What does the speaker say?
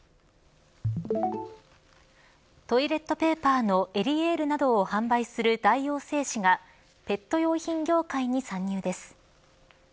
トイレットペーパーのエリエールなどを販売する大王製紙がペット用品業界に参戦です。